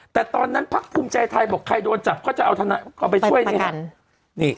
แต่ตอนนั้นพักภูมิใจไทยบอกใครโดนจับเขาจะเอาทนักเขาไปช่วยนี่